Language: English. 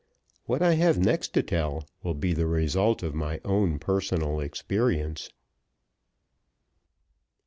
What I have next to tell will be the result of my own personal experience.